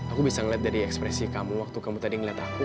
aku bisa ngeliat dari ekspresi kamu waktu kamu tadi ngeliat aku